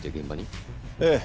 ええ。